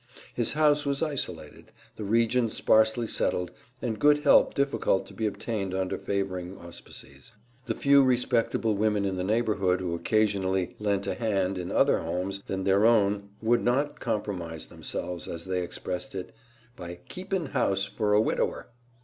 His house was isolated, the region sparsely settled, and good help difficult to be obtained under favoring auspices. The few respectable women in the neighborhood who occasionally "lent a hand" in other homes than their own would not compromise themselves, as they expressed it, by "keepin' house for a widower."